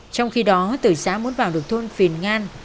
trong khi đó từ xã muốn vào được thôn phìn ngan